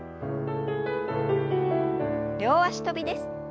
両脚跳びです。